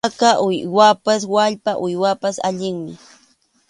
Khaka uywaypas wallpa uywaypas allinmi.